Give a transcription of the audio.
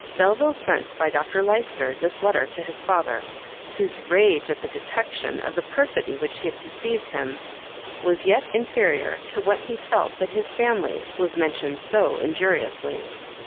Delvile sent by Dr Lyster this letter to his father, whose rage at the detection of the perfidy which had deceived him, was yet inferior to what he felt that his family was mentioned so injuriously.